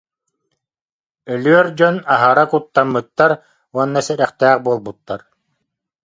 Өлүөр дьон аһара куттаммыттар уонна сэрэхтээх буолбуттар